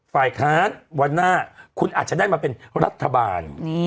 ฝ่ายค้านวันหน้าคุณอาจจะได้มาเป็นรัฐบาล